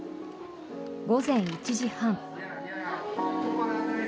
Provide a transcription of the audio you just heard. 午前１時半。